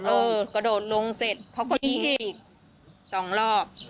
เออกระโดดลงเสร็จเขาก็ยิงอีกสองรอบ